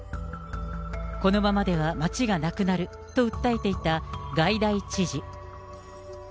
このままでは町がなくなると訴えていたガイダイ知事。